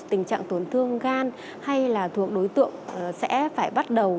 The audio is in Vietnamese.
tình trạng tổn thương gan hay là thuộc đối tượng sẽ phải bắt đầu